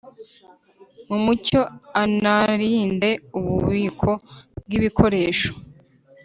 mu mucyo anarinde ububiko bw ibikoresho